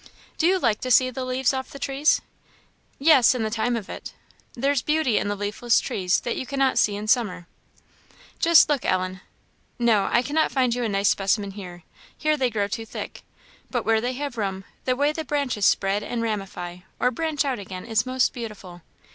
"Do you like to see the leaves off the trees?" "Yes, in the time of it. There's beauty in the leafless trees that you cannot see in summer. Just look, Ellen no, I cannot find you a nice specimen here, they grow too thick; but where they have room, the way the branches spread and ramify, or branch out again, is most beautiful.